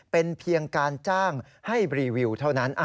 เป็นเพียงการจ้างให้รีวิวเท่านั้น